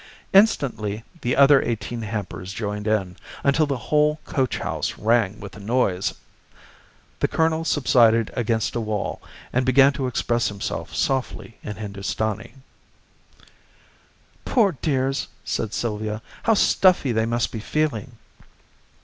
Instantly the other eighteen hampers joined in, until the whole coachhouse rang with the noise. The colonel subsided against a wall, and began to express himself softly in Hindustani. "Poor dears!" said Sylvia. "How stuffy they must be feeling!"